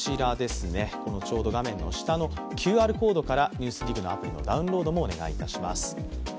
ちょうど画面の下のＱＲコードから「ＮＥＷＳＤＩＧ」のアプリのダウンロードもお願いします。